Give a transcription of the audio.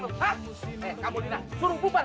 eh susah susah eh susah susah